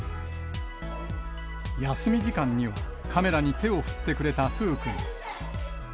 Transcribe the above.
休み時間には、カメラに手を振ってくれたトゥー君。